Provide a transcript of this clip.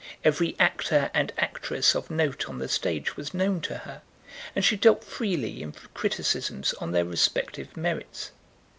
Every actor and actress of note on the stage was known to her, and she dealt freely in criticisms on their respective merits.